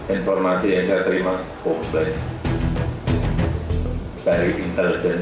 informasi yang terima komplesse dari intel cob dari itu miliknya pergi